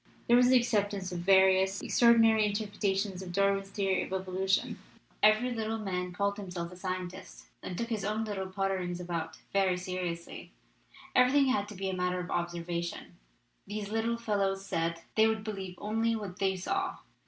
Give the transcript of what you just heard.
There was the acceptance of various extraordinary interpretations of Darwin's theory of evolution! Every little man called himself a scientist, and took his own little potterings about very seriously. Every thing had to be a matter of observation, these little fellows said; they would believe only what they saw.